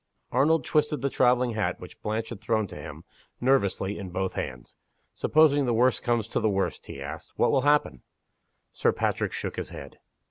Arnold twisted the traveling hat which Blanche had thrown to him, nervously, in both hands. "Supposing the worst comes to the worst," he asked, "what will happen?" Sir Patrick shook his head.